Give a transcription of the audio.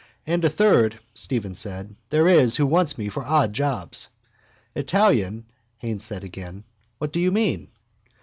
—And a third, Stephen said, there is who wants me for odd jobs. —Italian? Haines said again. What do you mean?